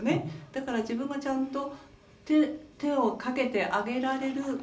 だから自分がちゃんと手をかけてあげられる物に絞り込む。